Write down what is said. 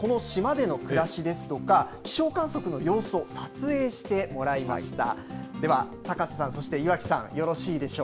さあ、今回は特別に、この島での暮らしですとか、気象観測の様子を撮影してもらいました。